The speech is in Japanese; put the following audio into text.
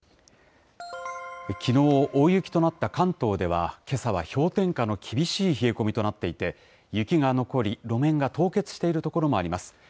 きのう、大雪となった関東では、けさは氷点下の厳しい冷え込みとなっていて、雪が残り、路面が凍結している所もあります。